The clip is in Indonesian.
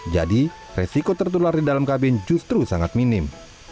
jadi resiko tertular di dalam kabin justru sangat minim